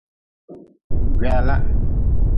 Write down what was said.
Gwala.